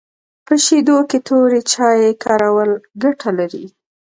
په شیدو کي توري چای کارول ګټه لري